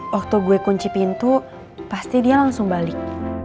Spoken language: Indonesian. waktu gue kunci pintu pasti dia langsung balik